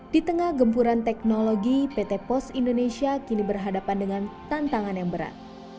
di tengah gempuran teknologi pt pos indonesia kini berhadapan dengan tantangan yang berat